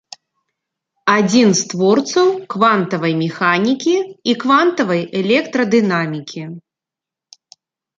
Адзін з творцаў квантавай механікі і квантавай электрадынамікі.